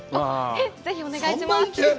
えっ、ぜひお願いします。